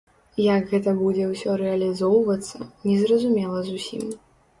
Як гэта будзе ўсё рэалізоўвацца, незразумела зусім.